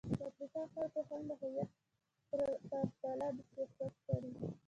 د افریقا خلکو هم د هویت پر تله د سیاست کړې.